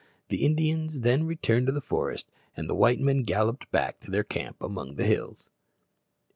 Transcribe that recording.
The Indians then returned to the forest, and the white men galloped back to their camp among the hills.